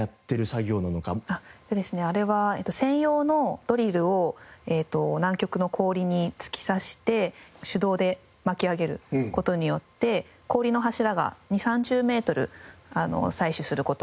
あれは専用のドリルを南極の氷に突き刺して手動で巻き上げる事によって氷の柱が２０３０メートル採取する事ができます。